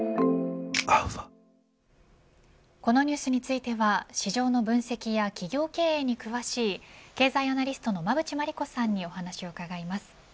このニュースについては市場の分析や企業経営に詳しい経済アナリストの馬渕磨理子さんにお話を伺います。